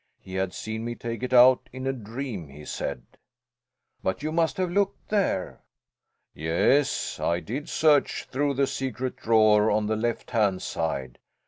He had seen me take it out in a dream, he said." "But you must have looked there?" "Yes, I did search through the secret drawer on the left hand side.